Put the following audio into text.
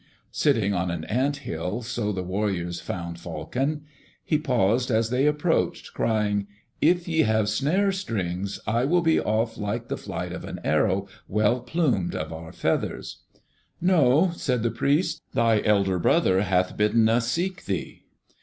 Sitting on an ant hill, so the warriors found Falcon. He paused as they approached, crying, "If ye have snare strings, I will be off like the flight of an arrow well plumed of our feathers!" "No," said the priests. "Thy elder brother hath bidden us seek thee."